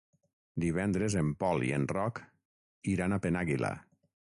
Divendres en Pol i en Roc iran a Penàguila.